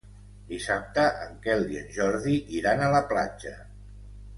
Dissabte en Quel i en Jordi iran a la platja.